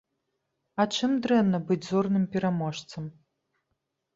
А чым дрэнна быць зорным пераможцам?